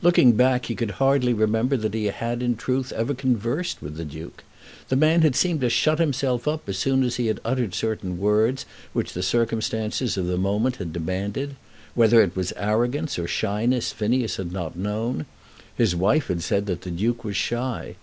Looking back he could hardly remember that he had in truth ever conversed with the Duke. The man had seemed to shut himself up as soon as he had uttered certain words which the circumstances of the moment had demanded. Whether it was arrogance or shyness Phineas had not known. His wife had said that the Duke was shy.